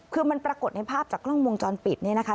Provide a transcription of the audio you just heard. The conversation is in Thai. คือมันปรากฏในภาพจากกล้องวงจรปิดเนี่ยนะคะ